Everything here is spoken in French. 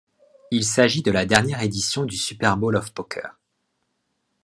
Il s'agit de la dernière édition du Super Bowl of Poker.